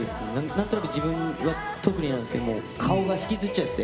何となく自分は特になんですけども顔が引きつっちゃって。